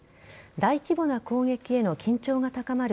大規模な攻撃への緊張が高まる